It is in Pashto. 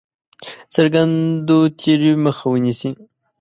څرګندو تېریو مخه ونیسي.